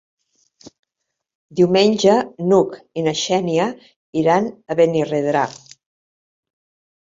Diumenge n'Hug i na Xènia iran a Benirredrà.